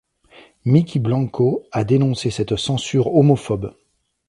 Mykki Blanco a dénoncé cette censure homophobe.